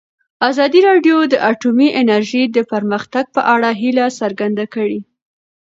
ازادي راډیو د اټومي انرژي د پرمختګ په اړه هیله څرګنده کړې.